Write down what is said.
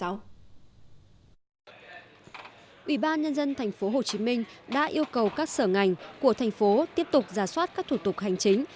ủy ban nhân dân thành phố hồ chí minh đã yêu cầu các sở ngành của thành phố tiếp tục giả soát các thủ tục hành chính